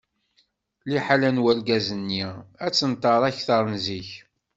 Liḥala n urgaz-nni ad tenṭer akteṛ n zik.